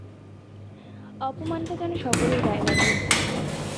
অপমানটা যেন সকলের গায়ে লাগিয়াছে।